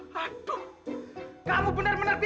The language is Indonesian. kamu tidak akan menang jika saya menang